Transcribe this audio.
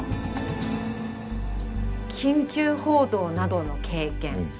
「緊急報道などの経験」。